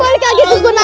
mau tanding bola